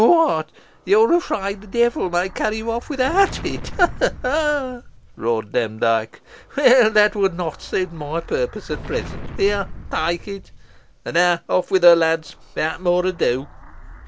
"What! you are afraid the devil may carry you off without it ho! ho!" roared Demdike. "Well, that would not suit my purpose at present. Here, take it and now off with her, lads, without more ado!"